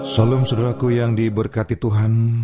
salam saudara ku yang diberkati tuhan